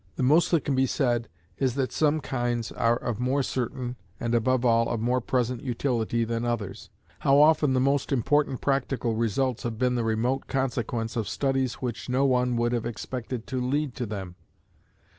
The most that can be said is that some kinds are of more certain, and above all, of more present utility than others. How often the most important practical results have been the remote consequence of studies which no one would have expected to lead to them!